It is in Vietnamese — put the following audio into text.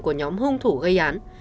của nhóm hung thủ gây án